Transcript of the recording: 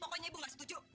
pokoknya ibu gak setuju